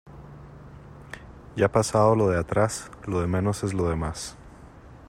Ya pasado lo de atrás, lo de menos es lo demás.